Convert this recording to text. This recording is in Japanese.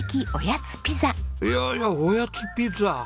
いやいやおやつピザ！